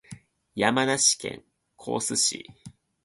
山梨県甲州市